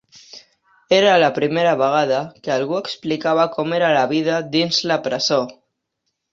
Era la primera vegada que algú explicava com era la vida dins la presó.